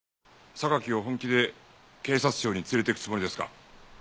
榊を本気で警察庁に連れて行くつもりですか？